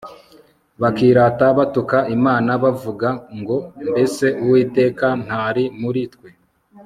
bakirata batuka imana bavuga ngo mbese uwiteka ntari muri twe